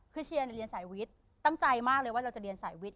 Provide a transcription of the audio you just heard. คือเชียร์เรียนสายวิทย์ตั้งใจมากเลยว่าเราจะเรียนสายวิทย